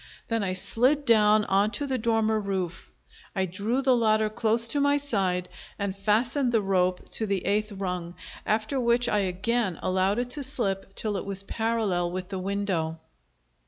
Then I slid down on to the dormer roof; I drew the ladder close to my side and fastened the rope to the eighth rung, after which I again allowed it to slip till it was parallel with the window.